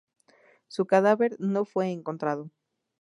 Su cadáver no fue encontrado.